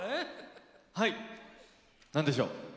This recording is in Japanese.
はい、何でしょう。